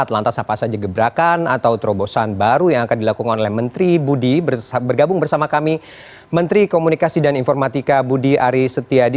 lantas apa saja gebrakan atau terobosan baru yang akan dilakukan oleh menteri budi bergabung bersama kami menteri komunikasi dan informatika budi aris setiadi